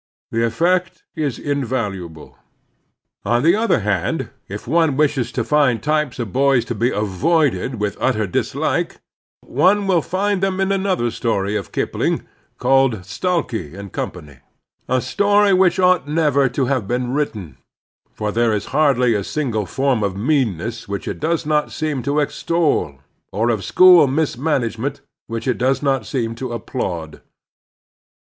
The effect is invaluable. On the other hand, if one wishes to find t5rpes of boys to be avoided with utter dislike, one will find them in another story by Kipling, called "Stalky & Co.," a story which ought never to have been written, for there is hardly a single form of meanness which it does not seem to extol, or of school mismanagement which it does not seem to applaud.